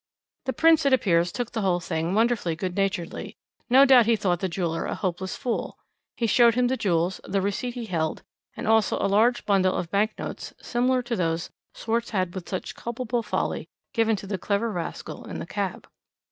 "The Prince, it appears, took the whole thing wonderfully good naturedly; no doubt he thought the jeweller a hopeless fool. He showed him the jewels, the receipt he held, and also a large bundle of bank notes similar to those Schwarz had with such culpable folly given up to the clever rascal in the cab.